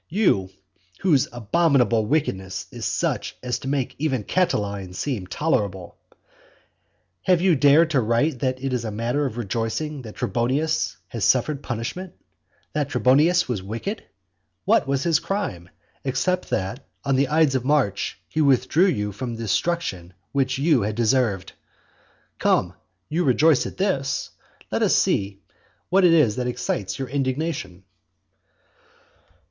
you whose abominable wickedness is such as to make even Catiline seem tolerable. Have you dared to write that it is a matter of rejoicing that Trebonius has suffered punishment? that Trebonius was wicked? What was his crime, except that on the ides of March he withdrew you from the destruction which you had deserved? Come; you rejoice at this; let us see what it is that excites your indignation.